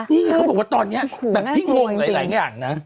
นี่ไงเขาบอกว่าตอนนี้แบบพี่งงหลายอย่างนะ